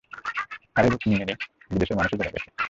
আরে রুকমিনি, বিদেশের মানুষও জেনে গেছে।